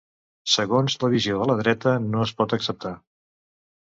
Segons la visió de la dreta no es pot acceptar.